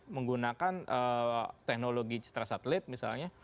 menggunakan teknologi citra satelit misalnya